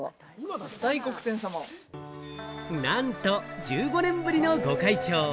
なんと、１５年ぶりのご開帳。